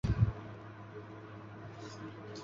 南通话通行于江苏省南通市市区和通州区中西部。